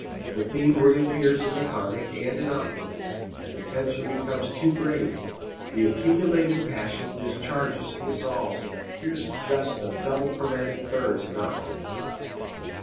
The theme reappears in the tonic and in octaves, and the tension becomes too great; the accumulated passion discharges and dissolves in a fierce gust of double chromatic thirds and octaves.